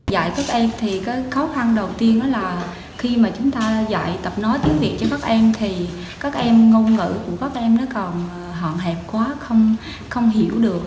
dạy các em thì cái khó khăn đầu tiên đó là khi mà chúng ta dạy tập nói tiếng việt cho các em thì các em ngôn ngữ của các em nó còn hòn hẹp quá không hiểu được